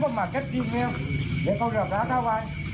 ใจได้ดูแล้ว